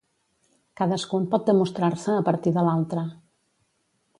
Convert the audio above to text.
Cadascun pot demostrar-se a partir de l'altre.